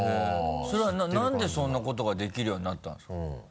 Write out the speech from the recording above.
それは何でそんなことができるようになったんですか？